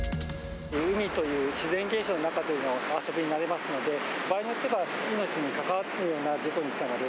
海という自然現象の中での遊びになりますので、場合によっては命に関わるような事故につながる。